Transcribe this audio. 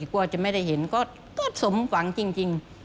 กลัวจะไม่ได้เห็นก็สมหวังจริง